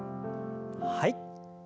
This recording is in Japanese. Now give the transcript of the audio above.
はい。